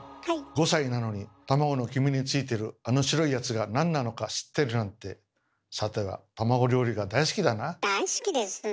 ５歳なのに卵の黄身についてるあの白いやつがなんなのか知ってるなんてさては大好きです。